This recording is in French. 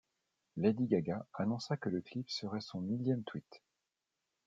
Lady Gaga annonça que le clip serait son millième tweet.